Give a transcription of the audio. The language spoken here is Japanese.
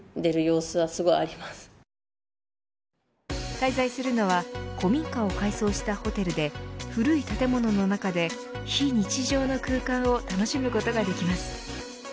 滞在するのは古民家を改装したホテルで古い建物の中で非日常の空間を楽しむことができます。